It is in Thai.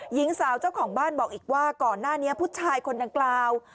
หญิงสาวเจ้าของบ้านบอกอีกว่าก่อนหน้านี้ผู้ชายคนดังกล่าว